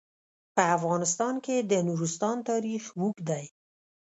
په افغانستان کې د نورستان تاریخ اوږد دی.